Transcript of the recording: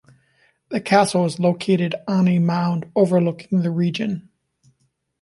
The castle is located on a mound overlooking the region.